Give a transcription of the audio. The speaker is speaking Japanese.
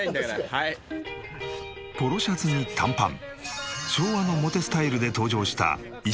ポロシャツに短パン昭和のモテスタイルで登場した石原良純さん６１歳。